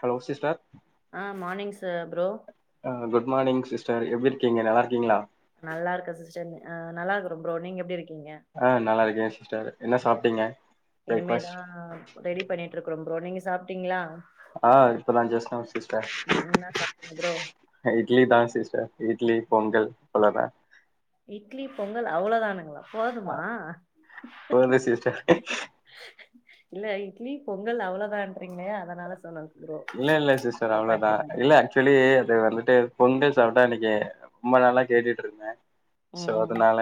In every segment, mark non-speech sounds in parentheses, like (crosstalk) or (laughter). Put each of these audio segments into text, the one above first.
Hello sister ஆ morning ச bro ஆ குட் மார்னிங் சிஸ்டர் எப்படி இருக்கீங்க நல்லா இருக்கீங்களா நல்லா இருக்கு சிஸ்டர் நல்லா இருக்க ப்ரோ நீங்க எப்படி இரு ஆ நல்லா இருக்கேன் சிஸ்டர் என்ன சாப்பிட்டீங்க பிரேக்ஃபாஸ்ட் ப்றோ நீங்க சாப்பிட்டீங்களா ஆ இப்பதா ஜஸ்ட் நௌ சிஸ்டர் ம் என்ன சாப்ட்டீங்க ப்ரோ இட்லி தான் சிஸ்டர் இட்லி பொங்கல் (unintelligible) இட்லி பொங்கல் அவ்வளோதானுங்களா போதுமா போது சிஸ்டர் இல்ல இட்லி பொங்கல் அவ்வளோதான்றீங்களே அதனால சொன்ன இல்ல இல்ல சிஸ்டர் அவ்வளவுதா இல்ல ஆக்சுவலி அது வந்துட்டு பொங்கல் சாப்பிட்டா அன்னிக் எ ரொம்ப நல்லா கேட்டுட்டு இருந்த சோ ம் அதனால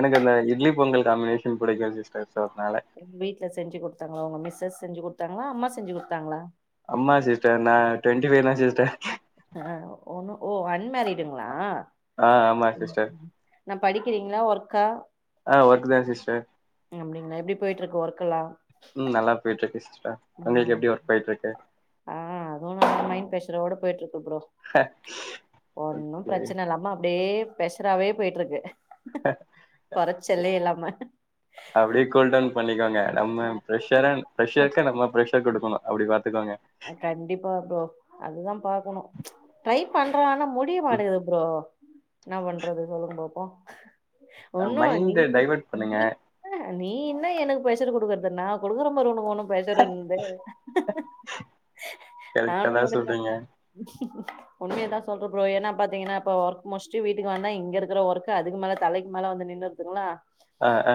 எனக்கு அந்த இட்லி பொங்கல் காம்மினேஷன் பிடிக்கும் சிஸ்டர் சோ அதனால வீட்ல செஞ்சு கொடுத்தாங்களா உங்க மிஸ்ஸஸ் செஞ்சு கொடுத்தாங்களா அம்மா செஞ்சு கொடுத்தாங்களா அம்மா சிஸ்டர் நான் டுவெண்டி ஃபைவ் தா சிஸ்டர் ஆ ஓ அன்மேரிடுங்களா ஆ ஆமா சிஸ்டர் என்ன படிக்கிறீங்களா ஒர்க்கா ஆ ஒர்க் தா சிஸ்டர் அப்படிங்களா எப்படி போயிட்டு இருக்கு ஒர்க்கலா ஒங்களுக்கு எப்படி ஒர்க் போயிட்டு இருக்கு போயிட்ருக்கு பறோ ஒன்னும் ஓகே பிரச்சன இல்லாம அப்படியே ப்ரஷராவே போயிட்டு இருக்கு கொறச்சலே இல்லாம அப்படியே கூல்டவுன் பண்ணிக்கோங்க நம்ம ப்ரஷர ப்ரஷருக்கு நம்ம ப்ர ஷர் குடுக்கனு அப்டி பாத்துக்கோங்க கண்டிப்பா ப்ரோ அதுதா பாக்கணு ட்ரை பண்ற ஆனா முடிய மாட்டது ப்ரோ என்ன பண்றது சொல்லுங்க பாப்போ ஒன்னு நீ மைண்ட் டைவைர்ட் பண்ணுங்க நீ என்ன நீ என்ன எனக்கு பிரஷரு குடுக்குறது நா குடுக்குறம் பாரு உனக்கு ஒனு ப்ரஷருன்தே கரெக்டா தா சொல்றீங்க உண்மையதா சொல்ற ப்ரோ ஏன்னா பாத்தீங்கனா இப்போ ஒர்க் முடிச்சுட்டு வீட்டுக்கு வந்தா இங்க இருக்குற ஒர்க்கு அதுக்கு மேல தலைக்கு மேல வந்து நின்னுருதுங்களா ஆ ஆ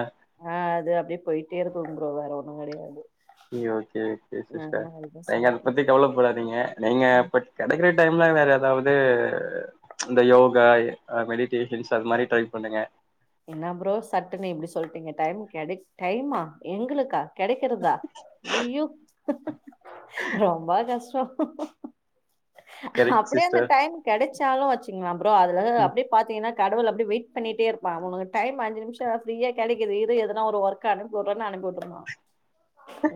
ஆ அது ப்டியே போயிட்டே இருக்குங் ப்ரோ வேற ஒன்னு கெடையாது (unintelligible) சேர் செரி ஆ சிஸ்டர் அதுதா நீங்க சொன்னே அத பத்தி கவலப்படாதீங்க நீங்க பட் கெடைக்கற டைம்ல வேற எதாவுது இந்த யோகா அ மெடிடேஷன்ஸ் அது மாரி ட்ரை பண்ணுங்க என்ன ப்ரோ சட்டுனு இப்டி சொல்ட்டீங்க டைம் கெடை டைமா எங்குளுக்கா கெடைக்கிறதா யெய்யோ ரொம்பா கஷ் கரெக்ட் அப்புடியே அந்த சிஸ்டர் டைம் கெடச் சாலு வச் திங்ளா ப்ரோ அதுல அப்டே பாத்தீங்கனா கடவுள் அப்டி வெயிட் பண்ணிட்டேரு பா உனகு டைம் அஞ்சு நிம்ஷோ ஃப்ரீயா கெடைக்குது இரு எதுனா ஒரு ஒர்க்கு அனுப்பி வுர்றேன்னு அனுப்பிவுட்டுர்றா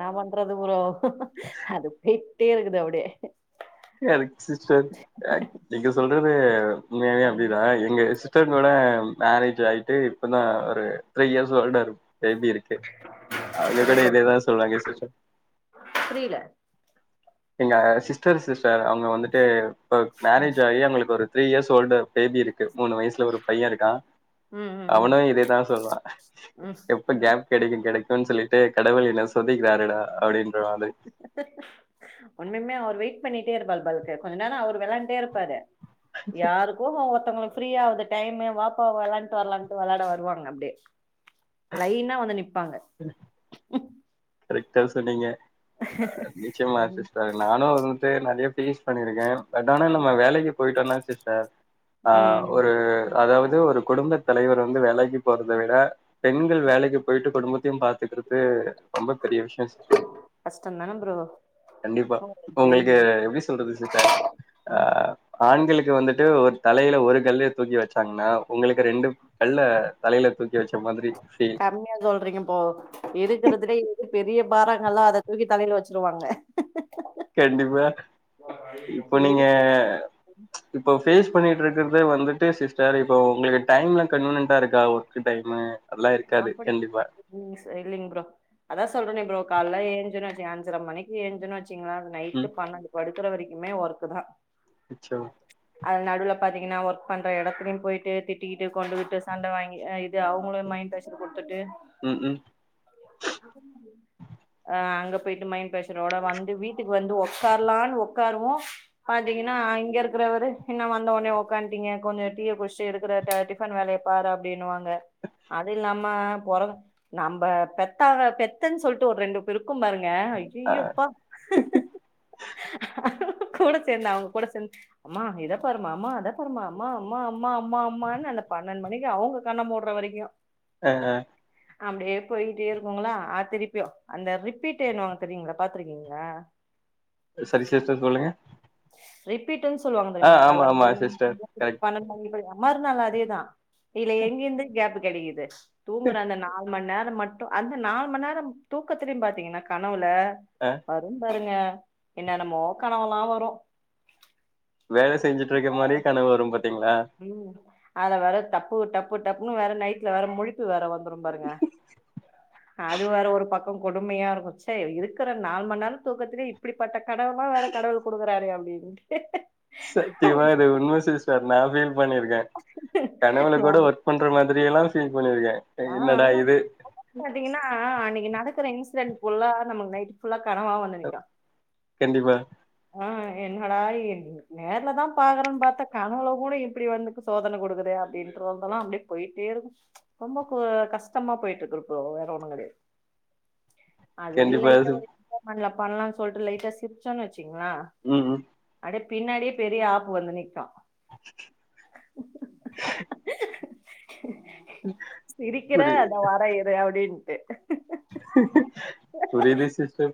நா பண்ற ல ப்ரோ அதுப் பே டேருக்குது அவ்டே செர் நீங்க சொல்றது உண்ம்யாவே அப்டிதா எங்க சிட்டரம்யோட மேரே ஜாயிட்டு இப்பதா ஒரு த்ரீ இயர்ஸ் ஓல்டரு பேபி இருக்கு அவுங்க கூட புரில இதேதா சொல்வாய்ங்க சிர்ச்சா புரில எங்க சிஸ்டரு சிஸ் டர் அவுங்க வந்துட்டு மேரேஜ் ஆயி அவுங்களுக்கு ஒரு த்ரீ இயர்ஸ் ஓல்டு பேபி இருக் கு மூணு வயசுல ஒரு பைய இருக்கா ம் ம் ம் அவனு இதேதா சொல்வா ம் எப்ப கேப் கெடைக்கூ கெடைக் டுன் சொல்லிட்டு கடவுள் என்ன சொதி கிறாருடா அப்புடின்றுவ நானு உண்மையுமே அவர் வெயிட் பண்ணிட்டே இருப்பாரு பாருங்க கொஞ்ச நேரம் அவர் வெள்ளாண்டே இருப்பாரு யாருக்கும் ஒருத்தங்களுக் ஃப்ரீயாவுது டைமு வாப்பா வெள்ளாட்டு வர்லாண்ட்டு வெள்ளாட வருவாங்க அப்டே லைனா வந்து நிப் பாங்க கரெக்டா சொன்னீங்க அ நிச்சயம்மா சிஸ்டர் நானு ட்டு நறையா ஃபேஸ் பண்ணிருக்கேன் பட் ஆனா நம்ம வேலைக்கு போயிட்டோன்னா சிஸ்டர் ஆ ம் ஒரு அதாவது ஒரு குடும்பத் தலைவர் வந்து வேலைக்கி போறத விட பெண்கள் வேலைக்கி போயிட்டு குடும்பத் தியும் பாத் துக்குறது ரொம்ப பெரிய விஷயம் சிஸ்டர் கஷ்டம் தான ப்ரோ கண்டிப்பா இப்ப உங்களுக்கு தெரியுது எப்புடி சொல்றது சிஸ்டர் ஆ ஆண்களுக் இங்க வந்துட்டு ஒரு தலையில ஒரு கல்லு தூக்கி வச்சாங்கன்னா உங்களுக்கு ரெண்டு கல்ல தலையில தூக் கி வச்ச மாதிரி ஃபீல் இப்போ இருக்கறதுலயே எது பெரிய பாரங்கல்லோ அத தூக்கி தலையில வச்சிருவாங்க கண்டிப்பா, இப்ப நீங்க இருக்கு இப்போ ஃபேஸ் பண்ணிட்டு இருக்கறதே வந்துட்டு சிஸ்டர் இப்ப உங்களுக்கு டைம்லா கன்வீனியன்டா இருக்கா ஒர் க்கு டைமு அதெல்லா இருக்காது அப்படி கண்டிப்பா ம் இல்லைங்க ப்ரோ அதா சொல்றானே ப்ரோ கால்லா ஏஞ்சனு வச்சுக்க அஞ்சர மணிக்கு ஏஞ்சனு வச் சிங்ளா ம். நைட்டு பன்னண்டு படு க்ற வரிக்குமே வர்க்கு தா எச்சா பாத்தீங்னா வர்க் பண்ற எடத்லயூ போயிட்டு திட்டிக்கிட் டு கொண்டு விட்டு சண்ட வாங்கி அ இ ப்டி அவங்களயூ மைண்ட் ப்ரஷர் குடுத்துட்டு ம், ம். ஆ அங்கப் போயிட்டு மைண்ட் ப்ரஷரோட வந்து வீட்டுக்கு வந்து ஒக்காரலான்னு ஒக்காருவோ பாத்தீங்னா இங்கருக்கிறவரு என்ன வந்தவோன்னே ஒக்காந்டீங்க கொஞ்சோ டீய குடிச்ட்டு எடுக்கிற ட டிஃபன் வேலைய பாரு அப்டின்னுவாங்க அதில்லாம பொறவ் நம்ம பெத்தாங்க பெத்தேன்னு சொல்ட்டு ஒரு ரெண்டு பிருக்கும் பாருங் க ஆ. அய்யயோப்பா கூட சேந்து அவுங்கூட சேந்து அம்மா இத பாருமா அம்மா அத பாருமா அம்மா அம்மா அம்மா அம்மா அம்மானு அந்த பன்னெண்டு மணிக்கு அவுங்க கண்ண மூடுற வரீக் கியோ ஆ அப்டியே போயிட்டே இருக்கூங்களா அ திருப்பியூ அந்த ரிப்பீட்டேனுவாங்க தெரியுங்களா பாத்துருக்கீங்களா சரி சரி செ சொல்லுங்க ரிப் பீட்டுன் சொல்வாங்க ஆ தெரியுமா ஆமா கால்ல ஆமா அஞ்சுரமணி சிஸ்டர் (inaudible) பனென்ட் மணி (unintelligible) மறுநாள் அதேதா இத்லே எங்கேந்து கேப்புக் கெடைக்கிது தூங்குற கரெக்ட் அந்த நாள் மண்நேரோ மட்டு அந்த நால்மண்நேரம் தூக்கத்திலயூ பாத்தீங்னா கனவு ல ஆ வரூ பாருங்க என்னன்னமோ கனவல்லா வரூ வேல செஞ்சுட்டுருக்க மாரியே கனவு வரூ பாத் ம் அத வேற தப்பு டப்பு டப்புனு வேற நைட்ல வேற முழிப்பு வேற வந் ரும்பாருங்க அது வேற ஒரு பக் க்கோ கொடுமையாருக்கூ ச்சே இருக்கிற நால்மண்நேரோ தூக்கத்திலியூ இப்பிடிபட்டக் கனவுலா வேற கடவுள் குடுக்குறாரே அப் டின்ட் சத்தியமா இது உண்ம சிஸ்டர் நாவின் பண்ணிருக்கே கனவுல கூட ரொம்ப வர்க் பண்ற மாத்ரியெல்லா ஆ அதுதா (inaudible) பாத்தீங்னா அன்னிக்கு நடக் க்குர இன்சிரென் ஃபுல்லா நமுக் நைட் ஃபுல்லா கனவா வந்துநிக்கா கண்டிப்பா ஆஹ் என்னடா இது நேர்லதான் பாக்குறே பார்த்தா கனவுள கூட இப்பிடி வந்துக்கு சோதன குடுக்குதே அப்படின்றுதுந்தெல்லா அப்டேப் போயிட்டே இருக்கு ரொம்ப கஷ்டம்மா பொயிட்டுருக்கு ப்ரோ வேற ஒன்னும் கெடயாது அதுலில்லை கண்டிப்பா லைட்டா ஒரு (unintelligible) பண்ணலான் சொல்டு லைட்டா சிருச்சோ வச் ங்ளா ம் ம் அடிப் பின்னாடியெ பெரிய ஆப்பு வந்து நிக்கா சிரிக்கிறே புரியுது தொ வரே இரு அவ்டீன் (unintelligible) புரியுது சிஸ்டர்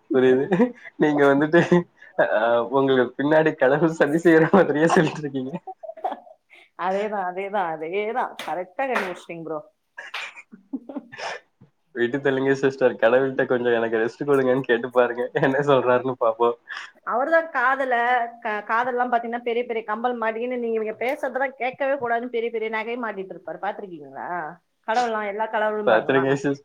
ஆஹ் அப்போ உங்களூக் பின்னாடி கடவுள் சதி செய்ற மாதிரியே சொல்லிட்டிருக்கீங்க அதேதா அதேதா அதேதான் கரெக்டா கண்டு புடிச்சிட்டிங்க ப்ரோ விட்டு தல்லுங்க சிஸ்டர் கடவுள்ட்ட கொஞ்சம் எனக்கு ரெஸ்ட் கொடுங்கன்னு கேட்டு பாருங்க என்ன சொல்றாருன்னு பாப்போம் அவர்தான் காதுல காதுலலாம் பாத்தீங்கன்னா பெரிய பெரிய கம்பல் மாட்டின்ன்னு நீங்க இவங்க பேசறதலாம் கேட்கவே கூடாதுனு பெரிய பெரிய நகை மாட்டிட்டு இருப்பாரு பாத்திருக்கீங்களா பாத்திருக்கே சிஸ்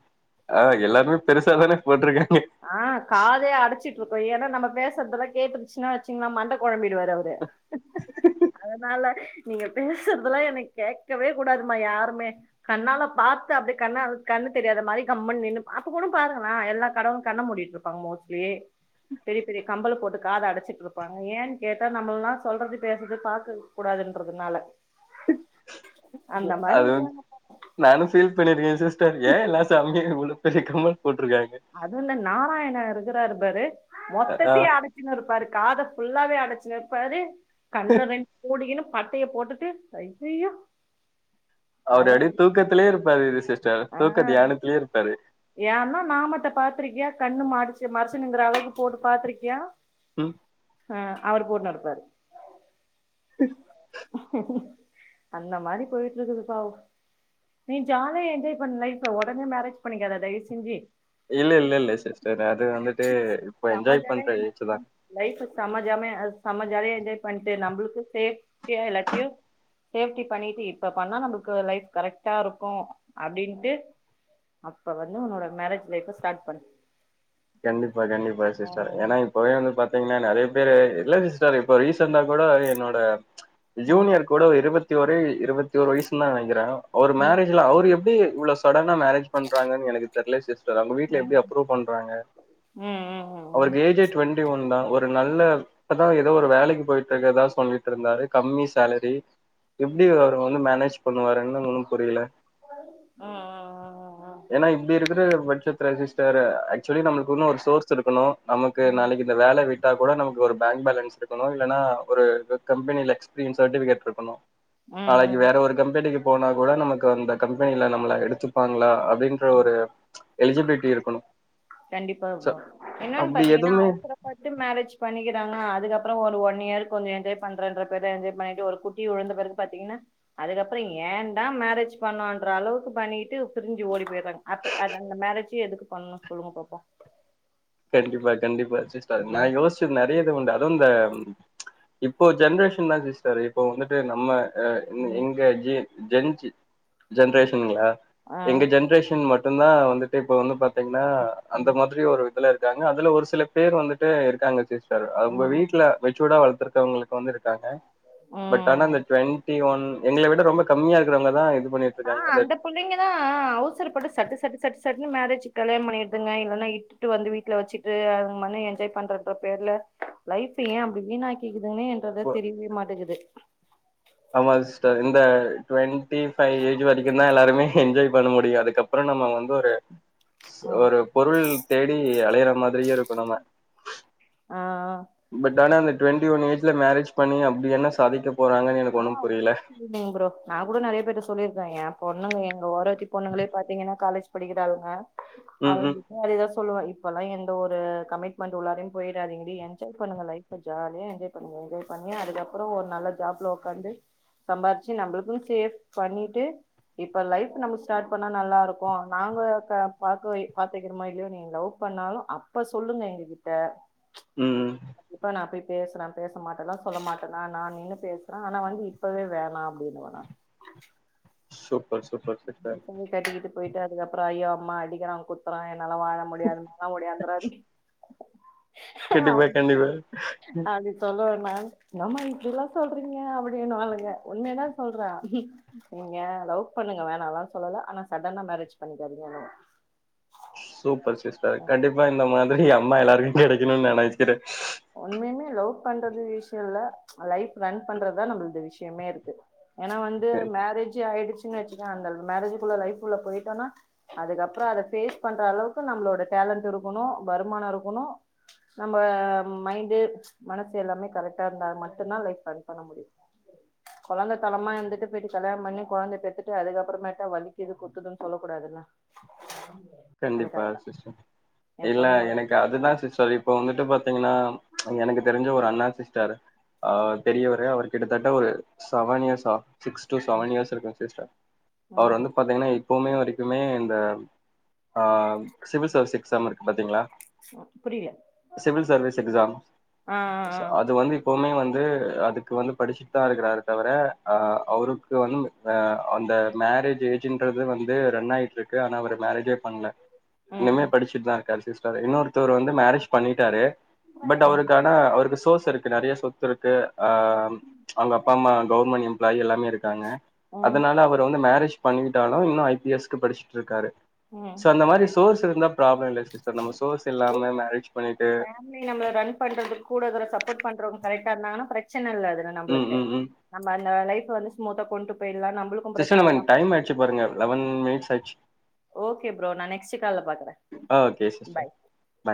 ஆஹ் எல்லாருமே பெருசா தானே போட்டிருக்காங் ஆஹ் காதையே அடைச்சிட் (unintelligible) ஏனா நம்ம பேசுறதுலா கேட்டுச்சுனா வச்சுங்களா மன்ட குழம்பி ரு அவுரு அதனால நீங்க பேசுறதுலாம் எனக்கு கேட்கவே கூடாதுமா யாருமே கண்ணால பார்த்து அப்படியே கண்ணு தெரியாத மாரி கம்முண்ணு நின்னு அப்ப கூட பாருங்கலே எல்லா கடவு கண்ண முடிட்டு இருப்பாங்க மோஸ்ட்லி பெரிய பெரிய கம்பல போட்டு காத அடைச்சிட்டு இருப்பாங்க ஏன்னு கேட்டா நம்மல்லாம் சொல்றது பேசறது பாக்க கூடாதுன்றதுனால அந்த மாரி அது நானும் ஃபீல் பண்ணிருக்கேன் சிஸ் ஏன் எல்லாம் சாமி பெரிய கம்மல் போட்ருக்காங்க அது இந்த நாராயணா இருக் ருக்குறாரு பாரு ஆ மொத்தத்தையும் அடைச்சினு இருப்பாரு காத ஃபுல்லாவே அடைச் (unintelligible) கண்ண ரென்டு மூடிக்குனு பட்டைய போட்டுட்டு அய்யய்யோ அவரு அப்டிய தூக்கத்திலேயே இருப்பாரு இது சிஸ்டர் ஆ தூக்க தியானத்திலேயே இருப்பாரு ஏன்னா நாமத்த பாத்திருக்கியா கண்ணு மறச்சு மறச்சுனுங்கிற அளவுக்கு போட்டு பாத்திருக்கியா உம் ஆ அவரு போட்டுனு இருப்பாரு அந்த மாரி போயிட்டு இருக்குது பாவோ நீ ஜாலியா என்ஜாய் பண்ணு லைப் உடனே மேரேஜ் பண்ணிக்காத தயவு செஞ்சி இல்ல இல்ல இல்ல சிஸ்டர் அது வந்துட்டு இப்ப செம என்ஜாய் ஜாலியா பண்ற ஏஜு தா லைஃப் செம ஜாம செம ஜாலியா என்ஜாய் பண்ணிட்டு நம்புளுக்கு சேப் எல்லாத்தையு சேப்டி பண்ணிட்டு இப்ப பண்ணா நமக்கு லைப் கரெட்டா இருக்கு அப்டின்ட்டு அப்ப வந்து உன்னோட மேரேஜ் லைப்ப ஸ்டார்ட் பண்னு கண்டிப்பா கண்டிப்பா சிஸ்டர் ஏன்னா இப்பவே வந்து பா்த் தீங்னா நெறைய பேர் இல்ல சிஸ்டர் இப்ப ரீசண்டா கூட என்னோட ம் ஜூனியர் கூட இருவத் த்தி வரை இருவத்தி ஒரு வயசு நா நெனைக்கிறே அவர் ம் மேரேஜ்ல அவரு எப் து உள்ள சடங்கு மேரேஜ் பண்றாங்கன் எனக்கு தெரில சிஸ்டர் அவுங்க வீட்டுல ம் எப்டி அப்ரூவ் பண்றாங்க ம் ம் ம் அவருக்கு ஏஜே ட்வெண்ட்டி ஒன் தா ஒரு நல்ல இப்பதா ஏதோ ஒரு வேலைக்கு போயிட்டு இக்கிறதா சொல்லிட்டு இருந்தாரு கம்மி சேலரி எப்டி அவர வந்து மேனேஜ் பண்ணுவாரேனு ஒன்னு புரியில ம் ம் ஏன்னா இப்டி இருக்கிற பட்ஜெட் அப்ர சிஸ்டர் ஆக்சுலி நம் குனு ஒரு சோர்ஸ் இருக்கணு நமக்கு ம் ம் நாளைக்கு இந்த வேல விட் தா கூட நமக்கு ஒரு பேங்க் பேலன்ஸ் இருக்கணு இல்லன்னா ஒரு கம்பெனியில எக்ஸ்பீரியன்ஸ் சர்டிபிகட் இருக்கணு ம் நாளைக்கு ம் வேற ஒரு கம்பெனிக்கு போனா கூட நமக்கு அந்த கம்பெனில நம்மள எடுத்துப்பாங்களா அப்படின்ற ஒரு எலிஜிபிலிட்டி இருக்கணு கண்டிப்பா வா என்னன் பாத்தீங்கன்னா எதுவுமே அவசர பட்டு மேரேஜ் பண்ணிக்கிறாங்க அதுக்கப்புறோ ஒரு ஒன் இயருக்கு கொஞ்சோ என்ஜாய் பண்றேன்ற பேருல என்ஜாய் பண்ணிட்டு ஒரு குட்டி வுழுந்த பிறகு பாத்தீங்ன்னா அதுக்கப்புறோ ஏன்டா மேரேஜ் பண்ணோன்ற அளவுக்கு பண்ணிட்டு பிரிஞ்சி ஓடி போயிறாங்க அப்ப அ அந்த மேரேஜு எதுக்கு பண்ணு சொல்லுங்க பாப்போ கண்டிப்பா கண்டிப்பா சிஸ்டர் நா ம் யோச்சது நெறையது உண்டு அதும் இந்த இப்போ ஜென்ரேஷன் தா சிஸ்டர் இப்போ வந்துட்டு நம்ம ஆ இங் ம் இங்க ஜி ஜென்சீ ஜென்ரேஷன்ங்களா ஆ எங்க ஜென்ரேஷன் மட் றந்தா வந்துட்டு இப்ப வந்து பாத்தீங் னா அந்த ம் மாதிரி ஒரு ல ருக்காங்க அதுல ஒரு சில பேர் வந்துட்டு இருக்காங்க சிஸ் டர் அவுங்க ம் வீட்ல மெச்சூடா வளத் ட்ருக்கவங்ளே ப்ப வந்து இருக்காங்க பட் ஆனா ம் அந்த ட்வெண்டி ஒன் எங்கள விட ரொம்ப கம்மியா இருக்கறவங்க தா இதுப் ஆ அந்த புள்ளைங்கதா அ அ அவுசரப்பட்டு சட்டு சட்டு சட்டு சட்டுனு மேரேஜ்க் கல்யாணம் பண்ணிருதுங்க இல்லன்னா இட்டுட்டு வந்து வீட்ல வெச்சிட்டு அதுங் (unintelligible) என்ஜாய் பண்றன்ற பேர்ல லைஃப் ஏ அப்டி வீணாக்கி க்குதுன்னே என்றத தெரிவே மாட்டகிது ஆமா சிஸ்டர் இந்த டவெண்டி ஃபைவ் ஏஜ் வரைக்குந்தா எல்லாருமே என்ஜாய் பண்ண முடியு அதுக்கப்புறோ நம்ம வந்து ஒரு ஸ் ம் ஒரு பொருள் தேடி அலையற மாதிரியே இரு ப்ப நம்ம ஆ ஆ பட் ஆனா அந்தட் டுவெண்டி ஒன் ஏஜ்ல மேரேஜ் பண்ணி அப்டி என்ன சாதிக்கப் ஆஹ் (unintelligible) ப்ரோ நா கூட நறைய பேருட்ட சொல்லிரு த ஏ பொண்ணுங்க எங்க ஓர த்தி பொண்ணுங்களே பாத்தீங்கன்னா காலேஜ் படிக்கிறாளுங்க அவ ம் ம் கிட்ட அதேதா சொல்லுவே இப் இப்பல்லா எந்த ஒரு கமிட்மெண்ட் உள்ளாரையும் போயிறாதீங்கடி என்ஜாய் பண்ணுங்க லைஃப் ஜாலியா என்ஜாய் பண்ணுங்க என்ஜாய் பண்ணி அதுக்கப்புறோ ஒரு நல்ல ஜாப்ல ஒ க்காந்து சம்பாதிச்சு நம்புளுக்குனு சேஃப் பண்ணிட்டு இப்ப லைஃப் நம்ம ஸ்டாட் பண்ணா நல்லா இருக்கு நாங்க க பாக்வை பாத்து வெக்கிறமோ இல்லையோ நீங் லவ் பண்ணாலு அப்ப சொல்லுங்க எங்க கிட்ட ம் ப்ச் (inaudible) நா போய் பேசுறே பேச மாட்டலா சொல்ல மாட்டனா நா நின்னு பேச ப்றே ஆனா வந்து இப்பவே வேணா அப்டின்னுவே நான் சுப் கட்டிக்கிட்டு (unintelligible) போயிட்டு அதுக்கப்புற ஐயோ அம்மா அடிக்கிறா குத்துறா எ ன்னால வாழ முடியாதுனல்லா ஒடியாந்தராதிங்க (inaudible) கண்டிப்பா கண்டிப்பா அப்டி சொல்வே நான் என்னம்மா இப்படி எல்லா சொல்றீங்க அப்டின்னுவாளுங்க உண்மையதா சொல்ற நீங்க லவ் பண்ணுங்க வே ணாலா சொல்லல ஆனா சடனா மேரேஜ் பண்ணிக்காதீங்கனுவ சூப்பர் சிஸ்டர் கண்டிப்பா இந்த மா ப்டி அம்மா எல்லார்கு கெடை ன்னுன் நெனக்கிறே உண்மையுமே லவ் பண்றது விஷ்யோ இல்ல ப்ச் லைஃப் ரன் பண்றதா நம்பள்து விஷ்யமேருக்கு ஏனா வந்து மேரேஜூ ஆயிடுச்சு (unintelligible) அந்த மேரேஜ்ஜுக்குள்ள லைஃப்உள்ள போயிட்டோனா அதுக்கப்புறம் அத பேஸ் பண்ற அளவுக்கு நம்ளோட டேலண்ட் இருக்கணு வருமான இருக்கணும் நம்ம மைண்டு ச் மனசு எல்லாமே கரெக்டா இருந்தா மட்டு தான் லைப் ரன் பண்ண முடியும் கொழந்த தனமா இருந்துட்டு போயிட்டு கல்யாணம் பண்ணி குழந்தை பெத்துட்டு அதுக்கப்புறமேட்டா வலிக்குது குத்துதுன்னு சொல்ல கூடாதுல்ல கண்டிப்பா அதுக்காக தா சிஸ்டர் எ இல்ல பொண்ணுங்களோட எனக்கு அதுதான் சிஸ்டர் இப்ப வந்துட்டு பா பாத்தீங்கன்னா ப்ச் எனக்கு தெரிஞ்ச ஒரு அண்ணா சிஸ்டர் ஆஹ் பெரியவரு அவர் கிட்டத்தட்ட ஒரு சவணியர்சா சிக்ஸ் டு ம் செவன் இயர்ஸ் இருக்கும் ம் சிஸ்டர்அவரு வந்து பாத்தீங்கனா எப்பவுமே வரைக்குமே இந்த ஆ சிவில் சர்வீஸ் எக்ஸாம் இருக்கு பாத்தீங்ளா ம் புரியல சிவில் சர்வீஸ் எக்ஸாம் ஆ ஆ ஆ அது வந்து இப்பவுமே வந்து து அதுக்கு வந்து படிச்சட்டு தான் இருக்கிறரு தவிர அவருக்கு வந்து அந்த மேரேஜ் ஏஜ்ன்றது வந்து ரன் ஆயிட்டுருக்கு ஆனா அவரு மேரேஜே பண்ல ம் இன்னுமே படிச்சுட்டு தான் இருக்காரு சிஸ்டர் இன்னொருத்தர் வந்து மேரேஜ் பண்ணிட்டாரு பட் ம் அவருக்கான அவருக்கு சோஸ் சொத்து இருக்கு நிறைய சொத்து இருக்கு அ ப்ச் அவங்க அப்பா அம்மா கவுவர்மெண்ட் எம்ப்ளாயி எல்லாமே இருக்காங்க ம் அதனால அவர் வந்து மேரேஜ் பண்ணிட்டாலு இன்னும் ஐ பி எஸ் கு படிச்சு ட்ருக்காரு ம் சோ அந்த மாரி சோர்ஸ் வச்சிருந்தா ப்ராப்ளம் இல்ல சிஸ்டர் நம்ம சோர்ஸ் இல்லாம (unintelligible) மேரேஜ் பண்ணிட்டு ஃபேமிலி நம்மள ரன் பண்றதுக்கு கூட ஒரு சப்போர்ட் பண்றோ கரெக்டா இருந்தாங்கனா பிரச்சன (unintelligible) ம் நம்பளுக்கு ம் ம் நம்ம அந்த லைப் வந்து ஸ்மூதா கொண்டு போய்டா சிஸ்டர் நம்ம டைம் ஆயிச்சு பாருங்க லெவன் மினிட்ஸ் ஆ (unintelligible) ஓகே ப்ரோ நான் நெக்ஸ்ட் கால்ல பாக்குறேன் ஆ ஓகே சிஸ்டர் பாய் பாய்